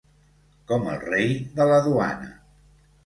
Com el rei de la duana.